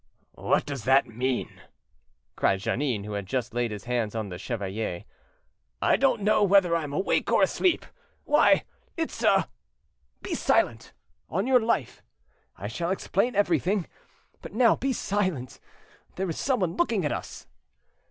"What does that mean?" cried Jeannin, who had just laid his hand on the chevalier. "I don't know whether I'm awake or asleep! Why, it's a— " "Be silent, on your life! I shall explain everything—but now be silent; there is someone looking at us."